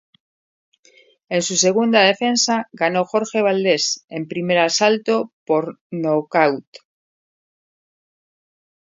En su segunda defensa ganó a Jorge Valdes en el primer asalto por nocaut.